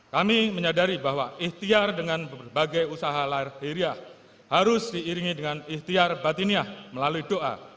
kami menyadari bahwa ikhtiar dengan berbagai usaha lahir hiriyah harus diiringi dengan ikhtiar batiniah melalui doa